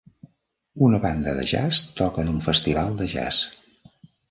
Una banda de jazz toca en un festival de jazz.